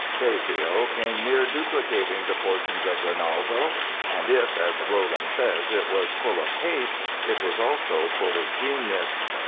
"Teseo" came near duplicating the fortunes of "Rinaldo"; and if, as Rolland says, it was "full of haste", it was also "full of genius."